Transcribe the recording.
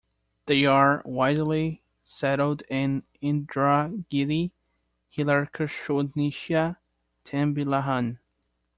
They are widely settled in Indragiri Hilirkhususnya Tembilahan.